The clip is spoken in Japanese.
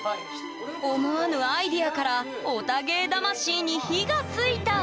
思わぬアイデアからヲタ芸魂に火がついた！